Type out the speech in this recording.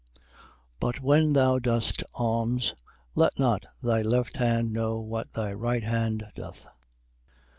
6:3. But when thou dost alms, let not thy left hand know what thy right hand doth.